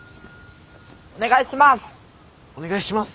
お願いします！